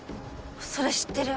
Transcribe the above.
それ知ってる。